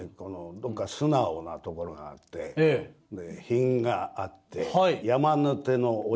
どっか素直なところがあって品があって山の手のお嬢様。